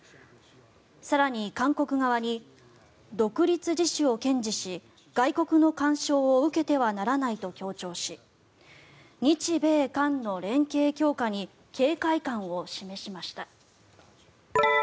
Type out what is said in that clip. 更に、韓国側に独立自主を堅持し外国の干渉を受けてはならないと強調し日米韓の連携強化に警戒感を示しました。